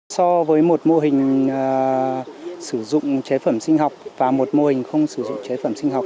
so với một mô hình sử dụng chế phẩm sinh học và một mô hình không sử dụng chế phẩm sinh học